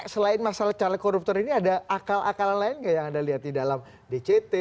selain masalah caleg koruptor ini ada akal akalan lain nggak yang anda lihat di dalam dct